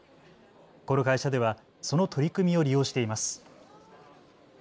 この会社ではその取り組みを利用しています。